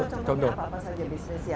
contoh contohnya apa saja bisnis yang